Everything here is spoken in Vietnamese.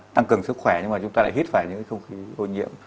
tăng cường sức khỏe nhưng mà chúng ta lại hít phải những không khí ô nhiễm